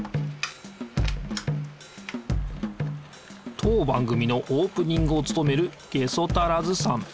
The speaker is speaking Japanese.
当番組のオープニングをつとめるゲソタラズさん。